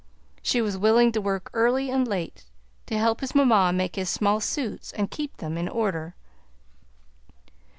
She was willing to work early and late to help his mamma make his small suits and keep them in order.